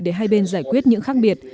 để hai bên giải quyết những khác biệt